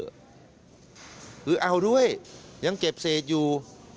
คือเอาด้วยยังเก็บเศษอยู่